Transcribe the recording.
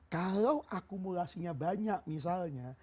kalau akumulasinya banyak misalnya